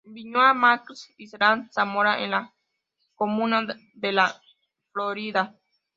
Vicuña Mackenna y Serafin Zamora en la comuna de La Florida.